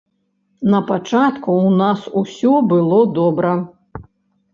Напачатку ў нас усё было добра.